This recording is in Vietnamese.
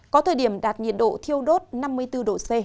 có thời điểm đạt nhiệt độ thiêu đốt năm mươi bốn độ c